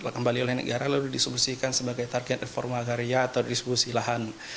kembali oleh negara lalu disubstitusikan sebagai target reform agar ya atau disubstitusi lahan